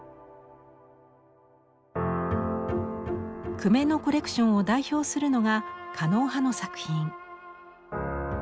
久米のコレクションを代表するのが狩野派の作品。